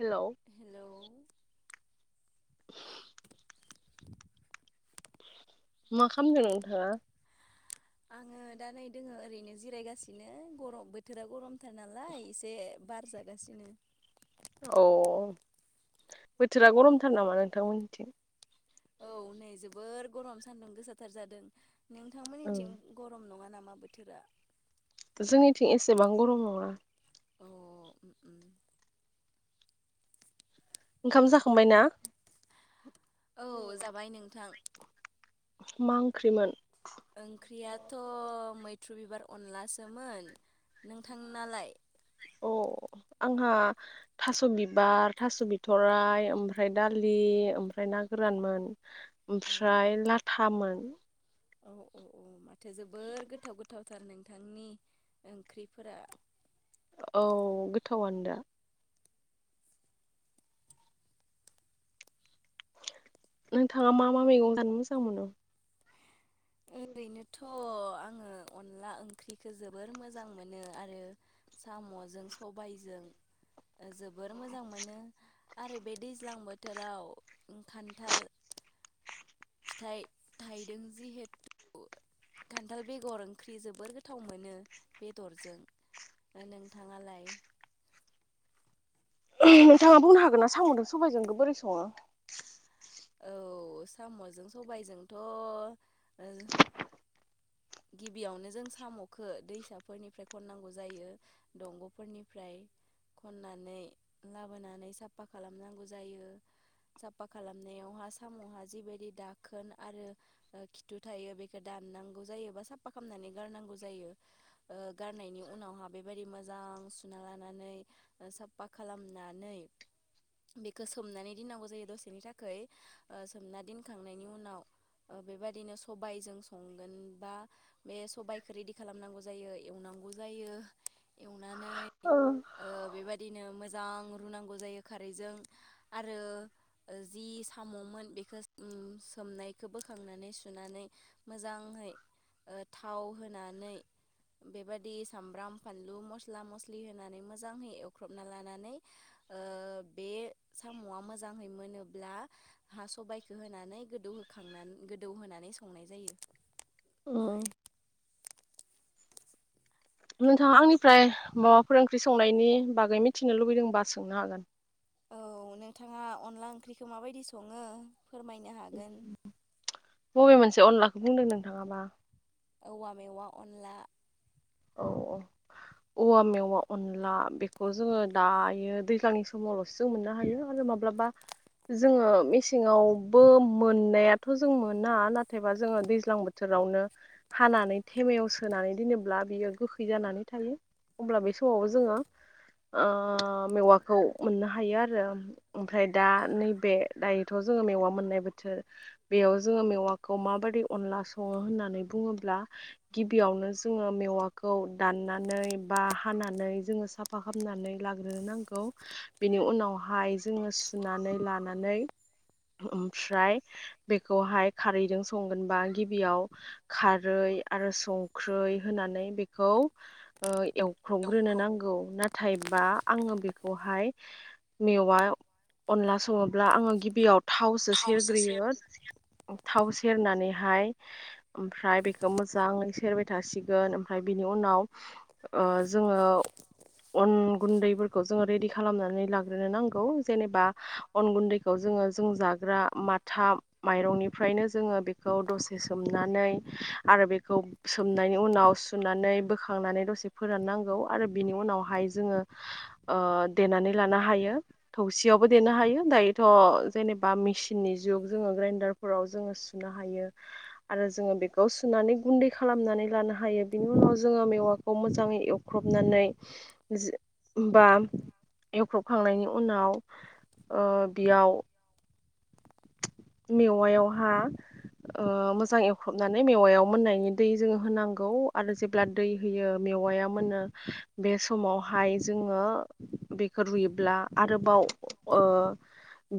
हेल'। Hello [inaudible] मा खामदों नोंथाङा? आङो दा नै दोङो ओरैनो जिरायगासिनो गर' बोथोरा गरमथार नालाय एसे बार जागासिनो। औ बोथोरा गरमथार नामा नोंथांमोननिथिं? औ नै जोबोर गरम सानदुं गोसाथार जादों औ नोंथांमोननिथिं गरम नङा नामा बोथोरा? जोंनिथिं एसेबां गरम नङा। अ। ओंखाम जाखांबाय ना? औ जाबाय नोंथां। मा ओंख्रिमोन? ओंख्रियाथ' मैथ्रु बिबार अनलासोमोन। नोंथांनालाय? औ। आंहा थास' बिबार थास' बिथ'राइ ओमफ्राय दालि ओमफ्राय ना गोरानमोन ओमफ्राय लाथामोन। औ औ औ माथो जोबोर गोथाव गोथावथार नों थांनि ओंख्रिफोरा। औ गोथावनो दा। नोंथाङा मा मा मैगं जानो मोजां मोनो? ओरैनोथ' आङो अनला ओंख्रिखौ जोबोर मोजां मोनो आरो साम'जों सबायजों [unintelligible] जोबोर मोजां मोनो आरो बे दैज्लां बोथोराव खान्थाल फिथाइ थाइदों जिहेथु खान्थाल बेगर ओंख्रि जोबोर गोथाव मोनो बेदरजों। नोंथाङालाय? [inaudible] नोंथाङा बुंनो हागोन ना साम'जों सबाइजोंखौ बोरै सङो? औ साम'जों सबायजोंथ'ओ गिबियावनो जों साम'खौ दैसाफोरनिफ्राय खननांगौ जायो दंग'फोरनिफ्राय खननानै लाबोनानै साफा खालामनांगौ जायो। साफा खालामनायावहा साम'हा जिबायदि दाखोन आरो ओ खिथु थायो बेखौ दा ननांगौ जायो बा साफा खामनानै गारनांगौ जायो ओ गारनायनि उनावहा बेबायदि मोजां सुना लाना नै साफा खालामनानै बेखौ सोमनानै दोननांगौ जायो दसेनि थाखाय ओ सोमना दोनखांनायनि उनाव बेबायदिनो सबायजों संगोन बा बे सबायखौ रेदि खालामनांगौ जायो एवनांगौ जायो एल एवनानै ओ बेबा यदिनो मोजां रुनांगौ जायो खारैजों आरो जि साम'मोन बेखौ ओ सोमनायखौ बोखांनानै सुनानै मोजांहै ओ थाव होनानै बेबादि सामब्राम, फानलु, मस्ला-मस्लि होनानै मोजाङै एवख्रबना लानानै औ बे साम'आ मोजाङै मोनोब्ला हा सबाइखौ होनानै गोदौ बोखांनानै गोदौ होनोनानै संनाय जायो। औ नोंथाङा आंनिफ्राय माबाफोर ओंख्रि संनायनि बागै मिथिनो लुबैदोंबा सोंनो हागोन। औ नोंथाङा अनला ओंख्रिखौ माबायदि सङो फोरमायनो हागोन? बबे मोनसे अनलाखौ बुंदों नोंथाङाबा? औवा मेवा अनला। औ औ औवा मेवा अनला बेखौ जोङो दायो दैलांनि समावल'सो जों मोननो हायो आरो माब्लाबा जोङो मेसेङावबो मोननायाथ' जों मोना नाथायबा जोङो दैज्लां बोथोर [unintelligible] नो हानानै थेमायाव सोनानै दोनोब्ला बियो गोखै जानानै थायो होमब्ला बे समावबो जोङो मेवाखौ मोननो हायो आरो ओमफ्राय दा नैबे दायो थ' जोङो मेवा मोननाय बोथोर बेयाव जोङो मेवाखौ माबायदि अनला सङो होननानै बुङो ल्बा गिबियावनो जोङो मेवा खौ दाननानै बा हानानै जोङो साफा खामनानै लाग्रोनांगौ बि बेनि उनावहाय जोङो सुनानै लानानै ओमफ्राय बेखौहाय खारैजों संगोनबा गिबियाव खारै आरो संख्रै होनानै बेखौ ओ औ एवख्र'बग्रोनो नांगौ ना थायबा आंङो बेखौहाय मेवा अनला सङोब्ला आङो गिबियाव थावसो सेरग्रोयो। थाव सेरनानैहाय ओमफ्राय बेखौ मोजाङै सेरबाय थासिगोन ओमफ्राय बिनि उनाव ओ जोङो अन गुन्दैफोरखौ जोङो रेडि खालामनानै लाग्रोनो नांगौ जेनेबा अन गुन्दैखौ जो ङो जों जाग्रा माथा माइरंनिफ्रायनो जोङो बेखौ दसे सोमनानै आरो बेखौ सोमनायनि उनाव सु नानै बोखांनानै दसे फोराननांगौ आरो बिनि उनावहाय जो ओ देनानै लानो हायो थौसियावबो देनो हायो दायोथ' जेनेबा मेसिननि जुग जोङो ग्रेन्डार फोराव जोंङो सुनो हायो आरो जोंङो बेखौ सुनानै गुन्दै खालामनानै लानो हायो बिनि उनाव जोङो मेवाखौ मोजाङै एवख्रबनानै जो बा एवख्रबखांनायनि उनाव ओ बेयाव मेवायावहा ओ मोजां एवख्रबनानै मेवायाव मोननायनि दै जोङो होनांगौ आरो जेब्ला दै होयो मेवाया मोनो बे समावहाय जोङो बेखौ रुयोब्ला आरोबाव ओ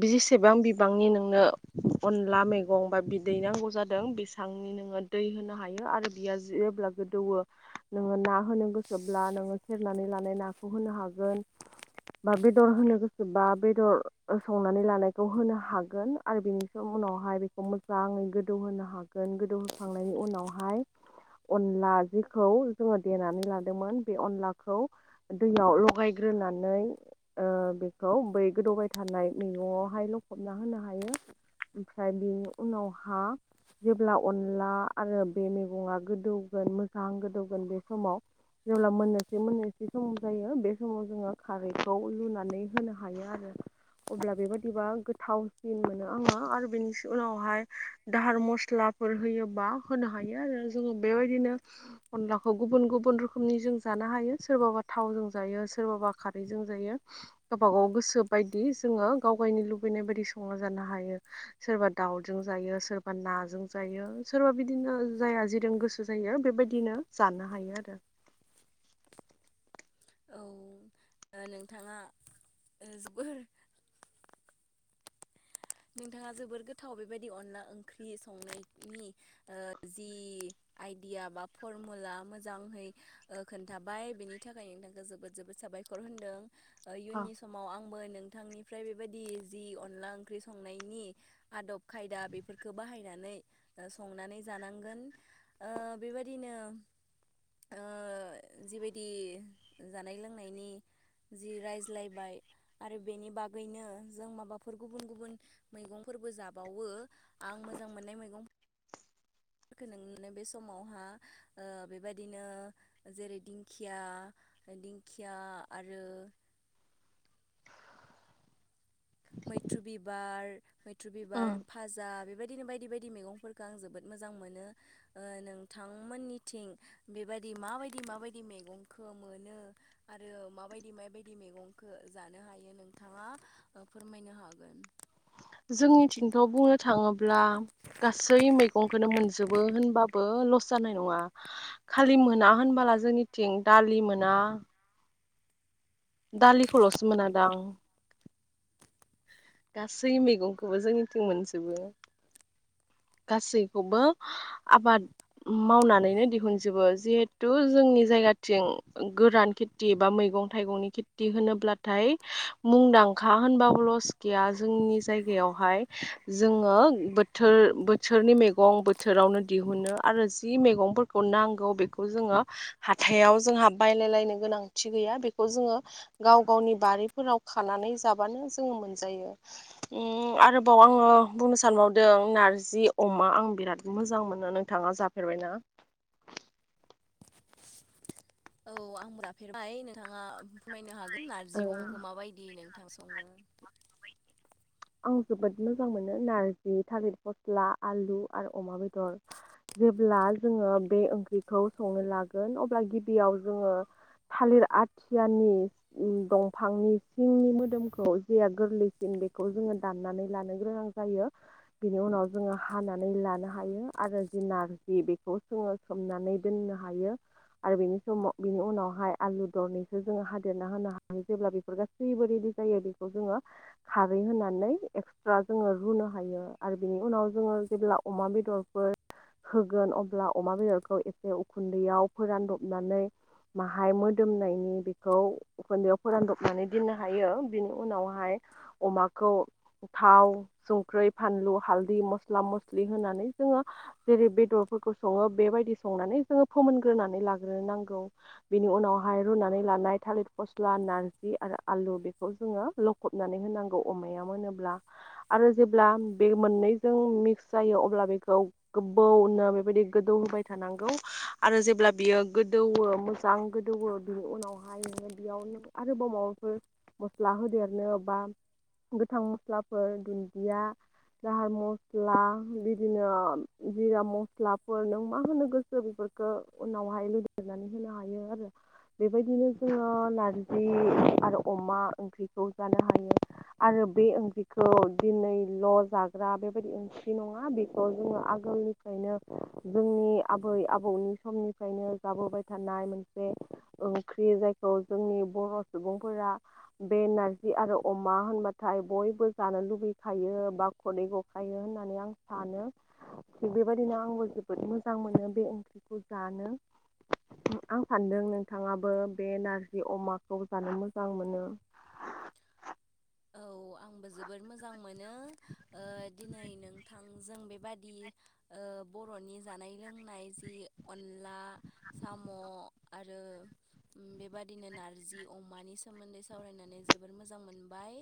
जेसेबां बिबांनि नों नो अनला मैगं बा बिदै नांगौ जादों बेसेबांनि नोङो दै होनो हायो आरो जेब्ला गोदौओ नोङो ना होनो गोसोब्ला नोङो सेरनानै लानाय नाखौ होनो हागोन बा बेदर होनो गोसोबा बेदर संनानै लानायखौ होनो हागोन आरो बेनिखौ उनावहाय बेखौ मोजाङै गोदौहोनो हागोन गोदौहोखांनायनि उनावहाय अनला जेखौ जोङो देनानै लादोंमोन बे अनलाखौ दैयाव लगायग्रो नानै बेखौ बै गोदौबाय थानाय मैगंआवहाय लखबना होनो हायो ओमफ्राय बेनि उनावहा जेब्ला अनला आरो बे मैगङा गोदौगोन मोजां गोदौगोन बे समाव जेब्ला मोनननोसै मोननोसै समाव जायो बे समाव जोङो खारैखौ लुनानै होनो हायो आरो अब्ला बेबाददिबा गोथावसिन मोनो आंङो बेनि उनावहाय दाहार मस्लाफोर होयोबा होनो हायो आरो जोंङो बेबायदिनो अनलाखौ गुबुन गुबुन रोखोमनि जों जानो हायो सोरबाबा थावजों जायो सोरबाबा खारै जों जायो गावबा गाव गोसो बायदि जोङो गाव गायनि लुबैनाय बायदि संना जानो हायो हायो सोरबा दाउजों जायो सोरबा नोंजों जायो सोरबा बिदिनो जायहा जिदों गोसो जायो बेबायदिनो जानो हायो आरो औ नोंथाङा जोबोर नोंथाङा जोबोर गोथाव बेबायदि अनला ओंख्रि संनायनि ओ जि आइडिया बा फरमुला मोजाङै खोन्थाबाय बेनि थाखाय नोंथांखौ जोबोद जोबोद साबाय साबायखर होनदों इयुननि समाव आंबो नोंथांनिफ्राय बेबायदि जि अनला ओं ओंख्रि संनायनि आदब खायदा बेफोरखौ बाहायनानै ओ संनानै जानांगोन ओ बेबायदिनो ओ जिबायदि जानाय लोंनायनि जि रायज्लायबाय आरो बेनि बागैनो जों माबाफोरखौ गु गुबुन गुबुन मैगंफोरबो जाबावो आं मोजां मोननाय मैगं फोरखौ नोंनो बे समावहा ओ बेबायदिनो जेरै दिंखिया दिंखिया आरो मैथ्रु बिबार मैथ्रु बिबार फाजा बेबायदि बिनो बायदि बायदि मैगंफोरखौ आं जोबोद मोजां मोनो ओ नोंथांमोननिथिं बेबायदि मा बायदि मा बायदि मैगंखो मोनो आरो माबायदि माबायदि मैगंखो जानो दायो नोंथाङा फोरमायनो हागोन जोंनिथिंथ' बुंनो थाङोब्ला गासै मैगंखौनो मोनजोबो होनबाबो ल' लस जानाय नङा खालि मोना होनबोला जोंनिथिं दालि मोना दालिखौल'सो मोनादां गासै मैगंखोबो जोंनिथिं मोनजोबो गासैखौबो आबाद मावनानैनो दिहुनजोबो जेहेथु जोंनि नि जायगाथिं गोरान खेथथि बा मैगं थाइगंनि खेथथि होनोब्लाथाय मुंदा दांखा होनबाबो लस गैया जोंनि जायगायावहाय जोङो बोथोर बोचोरनि मैगं बोथोरावनो दिहुनो आरो जि मैगंफोरखौ नांगौ बेखौ जोङो हाथायाव जोंहा बायलायलायनो गोनांथि गैया बेखौ जोङो गाव गावनि बारिफोराव खाना नानै जबावनो जोङो मोनजायो उ आरोबाव आंयो बुंनो सानबावदों नारज जि अमा आं बिराद मोजां मोनो नोंथाङा जाफेरबायना? औ आं [unintelligible] फेरबाय नोंथाङा फोरमायनो हाग गोन ओ नारजि अमाखो माबायदि नोंथां सङो? आं जोबोद मोजां मोनो नारजि थालिर फस्ला आलु आरो अमा बेदर। जेब्ला जोङो बे ओंख्रिखौ संनो लागोन अब्ला गिबियाव जोङो थालिर आथियानि दंफांनि सिंनि मोदोमखौ जेया गोरलैसिन बेख खौ जोङो दाननानै लानो ग्रोनां जायो बेनि उनाव जोङो हानानै लानो हायो आरो नारजि बेखौ जोङो सोमनानै दोननो हायो। आरो बेनि समाव बिनि उनावहाय आलु दरनैसो जोङो हादेरना होनो हायो जेब्ला बेफोर गासैबो रेडि जायो बेखौ जोङो खारै होनानै एक्सट्रा जोङो रुनो हायो आरो बिनि उनाव जोङो जेब्ला अमा बेदरफोर होगोन अब्ला अमा बेदरखौ एसे उखुन्दैयाव फोरानदबनानै माहाय मोदोमनायनि बेखौ उखुन्दैआव फोरानदबनानै दिननो हायो बिनि उनावहाय अमाखौ थाव संख्रै फानलु हालदै मस्ला मस्लि होनानै जोङो जेरै बेदरफोरखौ सङो बेबायदि संनानै जोङो फोमोनग्रोनानै लाग्रोनांगौ बेनि उन उनावहाय रुनानै लानाय थालिर फस्ला नारजि आरो आलु बेखौ जोङो लखबनानै होनां गौ अमाया मोन नोल्बा आरो जेब्ला बे मोननै जों मिक्स जायो अब्ला बेखौ गोबौ आ बेबायदि गोदौ होबाय थानांगौ आरो जेब्ला बियो गोदौओ मोजां गोदौओ बिनि उन उनावहाय नों बेयाव आरो बमावबो मस्ला होदेरनो बा गोथां मस्लाफोर दुन्दिया जाहार मस्ला बिदिनो जिरा मस्लाफोर नों मा होनो गोसो बेफ गो उनावहाय लुदेरनानै होनो हायो आरो। बेबायदिनो जोङो नारजि आरो अमा ओंख्रिखौ जानो हायो। आरो बे ओंख्रिखौ दिनै ल' जाग्रा बेबायदि ओंख्रि नङा बेखौ जोङो आगोलनिफ्रायनो जोंनि आबै आबौनि समनिफ्रायनो जाबोबाय थानाय मोनसे से ओंख्रि जायखौ जोंनि बर' सुबुंफोरा बे नारजि आरो अमा होनबाथाय बयबो जानो लुबैखायो बा खदै गखायो होननानै आं सानो। थिग बेबादिनो आंबो जोबोद मोजां मोनो बे ओंख्रिखौ जानो। आं सान्दों नोंथाङाबो बे नारजि अमाखौ जानो मोजां मोनो। [inaudible] [inaudible] बो जोबोर मोजां मोनो ओ दिनै नोंथां जों बेबादि ओ बर'नि जानाय लोंनाय जि अनला साम' आरो बेबादिनो नार्जि अमानि सोमोन्दै सावरायनानै जोबोर मोजां मोनबाय।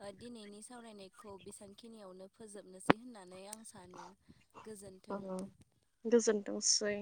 आ दिनैनि सावरायनायखौ बिसांखिनियावनो फोजोबनोसै होननानै आं सानो। अ गोजोन्थों। गोजोनथों सै।